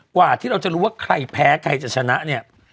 กว่าที่เราจะรู้ว่าใครแพ้ใครจะชนะเนี่ย